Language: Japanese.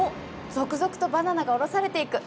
続々とバナナが降ろされていく！